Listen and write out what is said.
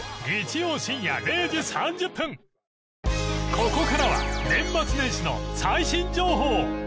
ここからは年末年始の最新情報。